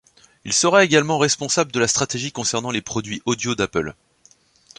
Il sera également responsable de la stratégie concernant les produits audio d'Apple.